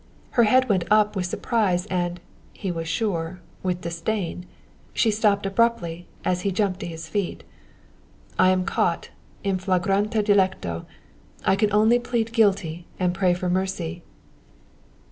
Her head went up with surprise and he was sure with disdain. She stopped abruptly as he jumped to his feet. "I am caught in flagrante delicto! I can only plead guilty and pray for mercy."